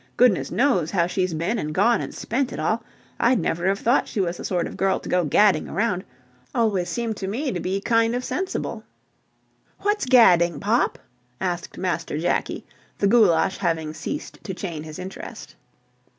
Goodness knows how she's been and gone and spent it all. I'd never have thought she was the sort of girl to go gadding around. Always seemed to me to be kind of sensible." "What's gadding, Pop?" asked Master Jakie, the goulash having ceased to chain his interest.